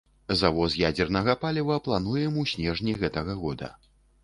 Завоз ядзернага паліва плануем ў снежні гэтага года.